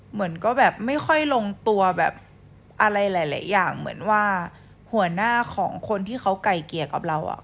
เหมือนก็แบบไม่ค่อยลงตัวแบบอะไรหลายอย่างเหมือนว่าหัวหน้าของคนที่เขาไก่เกลี่ยกับเราอ่ะ